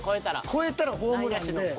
越えたらホームランで。